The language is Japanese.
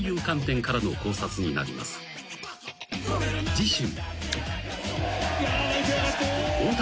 ［次週］